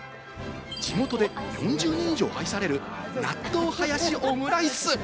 地元で４０年以上、愛される納豆ハヤシオムライス。